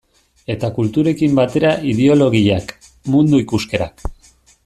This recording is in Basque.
Eta kulturekin batera ideologiak, mundu ikuskerak...